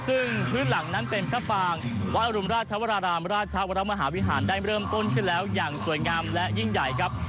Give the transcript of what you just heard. ซึ่งพื้นหลังนั้นเป็นพระปางวัดอรุณราชวรารามราชวรมหาวิหารได้เริ่มต้นขึ้นแล้วอย่างสวยงามและยิ่งใหญ่ครับ